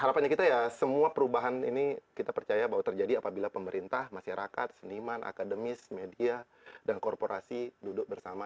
harapannya kita ya semua perubahan ini kita percaya bahwa terjadi apabila pemerintah masyarakat seniman akademis media dan korporasi duduk bersama